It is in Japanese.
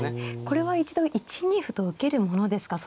これは一度１二歩と受けるものですか。